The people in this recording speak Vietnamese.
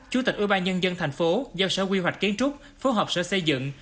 chủ tịch ủy ban nhân dân tp hcm giao sở quy hoạch kiến trúc phố học sở xây dựng